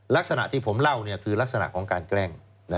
ลักษณะที่ผมเล่าคือลักษณะของการแกล้ง